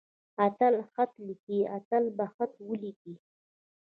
اتل خط ليکي. اتل به خط وليکي.